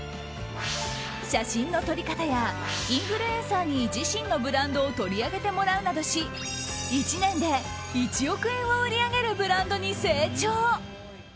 写真の撮り方やインフルエンサーに自身のブランドを取り上げてもらうなどし１年で１億円を売り上げるブランドに成長。